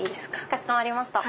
かしこまりました。